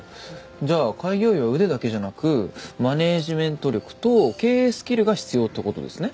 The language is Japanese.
じゃあ開業医は腕だけじゃなくマネジメント力と経営スキルが必要って事ですね。